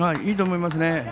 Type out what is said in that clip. いいと思いますね。